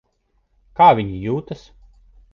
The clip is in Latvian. Kā viņa jūtas?